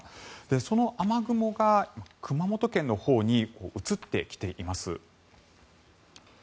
その雨雲が熊本県のほうに移ってきています。